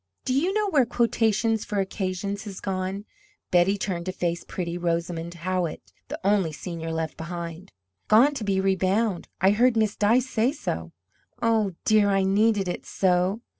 "Do you know where 'Quotations for Occasions' has gone?" Betty turned to face pretty Rosamond Howitt, the only senior left behind. "Gone to be rebound. I heard Miss Dyce say so." "Oh, dear, I needed it so."